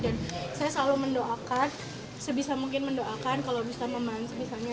dan saya selalu mendoakan sebisa mungkin mendoakan kalau bisa memahami sebisanya